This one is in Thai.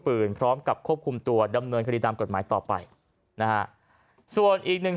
พร้อมกับควบคุมตัวดำเนินคดีตามกฎหมายต่อไปนะฮะส่วนอีกหนึ่ง